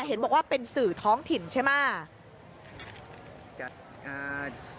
เห็นบอกว่าเป็นสื่อท้องถิ่นใช่ไหม